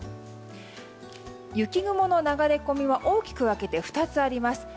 雪雲の流れ込みは大きく分けて２つあります。